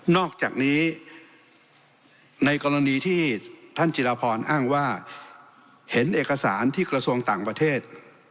อกจากนี้ในกรณีที่ท่านจิรพรอ้างว่าเห็นเอกสารที่กระทรวงต่างประเทศ